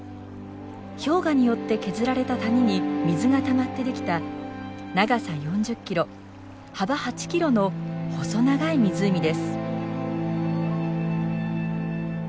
氷河によって削られた谷に水がたまって出来た長さ４０キロ幅８キロの細長い湖です。